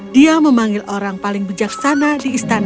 dia memanggil orang paling bijaksana di istana